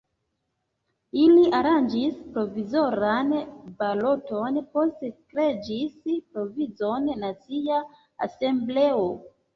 Ili aranĝis provizoran baloton, poste kreiĝis Provizora Nacia Asembleo.